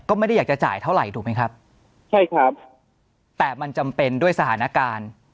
ก็ไม่ได้อยากจะจ่ายเท่าไหร่ถูกไหมครับใช่ครับแต่มันจำเป็นด้วยสถานการณ์